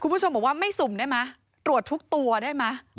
เพราะว่าไม่สุ่มได้ไหมตรวจทุกตัวได้ไหม